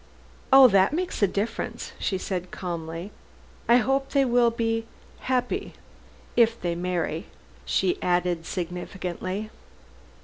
"Oh, that makes a difference," she said calmly. "I hope they will be happy if they marry," she added significantly.